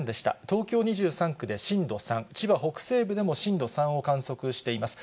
東京２３区で震度３、千葉北西部でも震度３を観測しています。